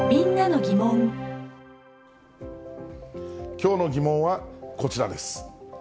きょうのギモンはこちらです。